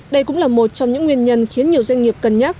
đây cũng là một trong những nguyên nhân khiến nhiều doanh nghiệp cân nhắc